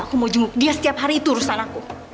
aku mau jenguk dia setiap hari itu urusan aku